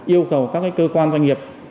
yêu cầu các cái cơ quan doanh nghiệp